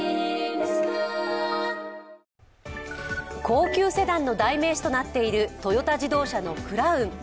高級セダンの代名詞となっているトヨタ自動車のクラウン。